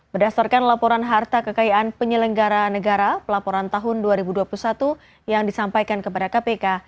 berdasarkan laporan harta kekayaan penyelenggara negara pelaporan tahun dua ribu dua puluh satu yang disampaikan kepada kpk